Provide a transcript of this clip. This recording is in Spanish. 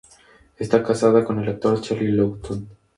Está casada con el actor Charlie Laughton.